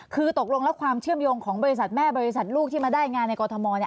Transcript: คือตกลงแล้วความเชื่อมโยงของบริษัทแม่บริษัทลูกที่มาได้งานในกรทม